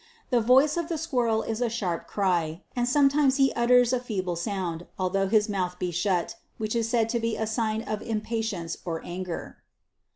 The voice of the squirrel is a sharp cry, and sometimes he utters a feeble sound, although his mouth be shut, which is said to be a sign of impatience or anger.